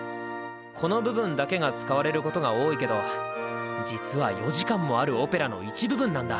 この部分だけが使われることが多いけど実は４時間もあるオペラの一部分なんだ。